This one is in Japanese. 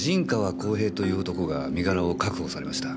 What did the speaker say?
公平という男が身柄を確保されました。